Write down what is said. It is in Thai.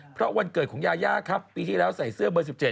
เพราะวันเกิดของยาย่าครับปีที่แล้วใส่เสื้อเบอร์๑๗